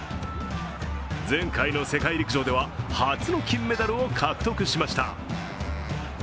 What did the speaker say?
前回の世界陸上では初の金メダルを獲得しました。